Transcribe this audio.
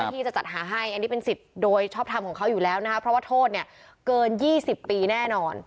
ที่จะจัดหาให้อันนี้เป็นสิทธิ์โดยชอบทำของเขาอยู่แล้วนะครับเพราะว่าโทษเนี่ยเกิน๒๐ปีแน่นอน